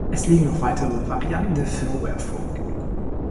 Es liegen noch weitere Varianten der Firmware vor.